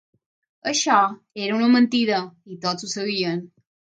Això era una mentida, i tots ho sabien.